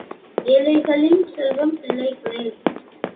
ஏழைகளின் செல்வம் பிள்ளைகளே.